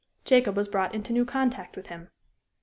Jacob was brought into new contact with him.